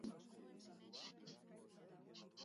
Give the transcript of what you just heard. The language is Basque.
Haren bizitzari buruz ez daukagu informazio handirik.